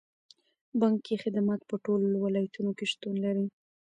بانکي خدمات په ټولو ولایتونو کې شتون لري.